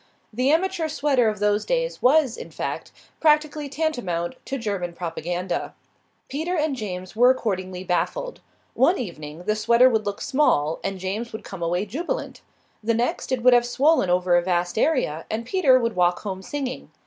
The amateur sweater of those days was, in fact, practically tantamount to German propaganda. Peter and James were accordingly baffled. One evening the sweater would look small, and James would come away jubilant; the next it would have swollen over a vast area, and Peter would walk home singing.